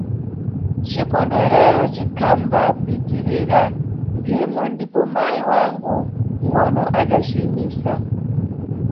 Cikondwerero cikhambapitirira mphimo ndipo mayi wangu mʼgono adaciyimisa.